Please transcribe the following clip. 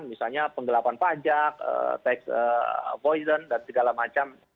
misalnya penggelapan pajak tax voicent dan segala macam